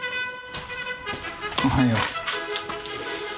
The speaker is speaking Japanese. おはよう。